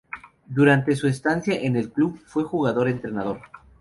Durante su estancia en el club fue jugador-entrenador.